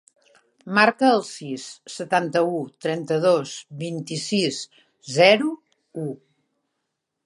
Marca el sis, setanta-u, trenta-dos, vint-i-sis, zero, u.